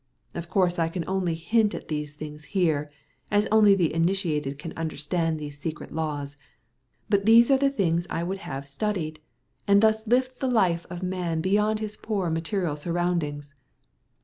Of course I can only hint at these things here, as only the initiated can understand these secret laws; but these are the things I would have studied, and thus lift the life of man beyond his poor material surroundings."